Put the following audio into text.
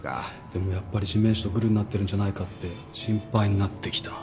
でもやっぱり地面師とグルになってるんじゃないかって心配になってきた？